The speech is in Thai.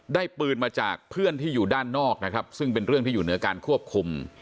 ปืนมาจากเพื่อนที่อยู่ด้านนอกนะครับซึ่งเป็นเรื่องที่อยู่เหนือการควบคุม